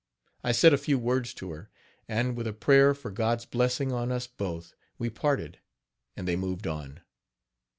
I said a few words to her, and, with a prayer for God's blessing on us both, we parted, and they moved on.